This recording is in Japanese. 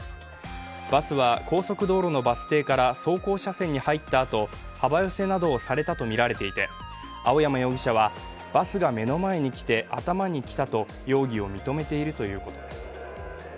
バスは高速道路のバス停から走行車線に入った後幅寄せなどをされたとみられていて青山容疑者は、バスが目の前に来て頭にきたと容疑を認めているということです。